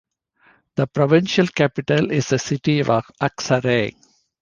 The provincial capital is the city of Aksaray.